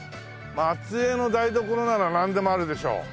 松江の台所ならなんでもあるでしょ。